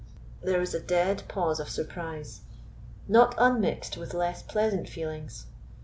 There was a dead pause of surprise, not unmixed with less pleasant feelings.